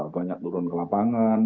banyak turun ke lapangan